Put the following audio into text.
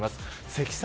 積算